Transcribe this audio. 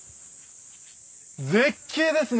絶景ですね！